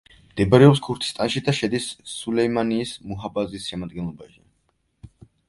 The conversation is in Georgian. მდებარეობს ქურთისტანში და შედის სულეიმანიის მუჰაფაზის შემადგენლობაში.